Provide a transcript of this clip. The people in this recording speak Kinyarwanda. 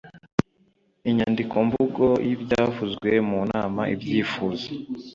Inyandikomvugo y ibyavuzwe mu nama ibyifuzo